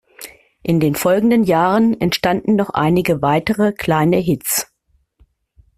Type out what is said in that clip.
In den folgenden Jahren entstanden noch einige weitere kleine Hits.